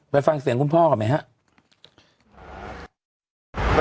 ไปฟังเสียงคุณพ่อก่อนไหมครับ